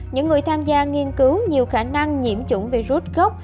những người tham gia nghiên cứu nhiều khả năng nhiễm chủng virus gốc